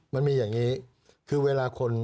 มันมีอย่างนี้คือเวลาคน